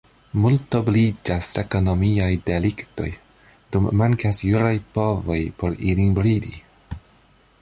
Multobliĝas ekonomiaj deliktoj, dum mankas juraj povoj por ilin bridi.